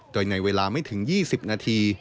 โดยในเวลาไม่ถึง๒๐นาที